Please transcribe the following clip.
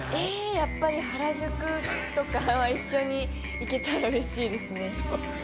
やっぱり原宿とか一緒に行けたら嬉しいですね。